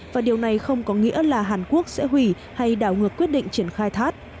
và điều này không có nghĩa là hàn quốc sẽ hủy hay đảo ngược quyết định triển khai thác